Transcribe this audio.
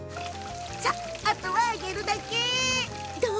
そして、あとは揚げるだけ。